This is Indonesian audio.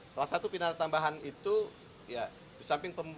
salah satu pidana tambahan itu ya disamping pembakaran